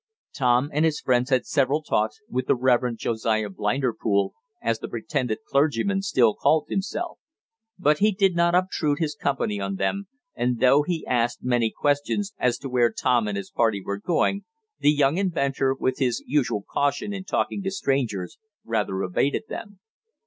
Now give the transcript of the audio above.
Tom and his friends had several talks with the "Reverend Josiah Blinderpool," as the pretended clergyman still called himself. But he did not obtrude his company on them, and though he asked many questions as to where Tom and his party were going, the young inventor, with his usual caution in talking to strangers, rather evaded them.